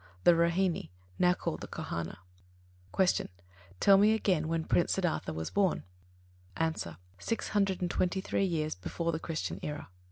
The Rohīnī, now called the Kohana. 19. Q. Tell me again when Prince Siddhārtha was born? A. Six hundred and twenty three years before the Christian era.